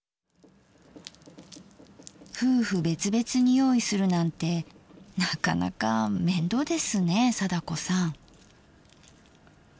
夫婦別々に用意するなんてなかなか面倒ですね貞子さん。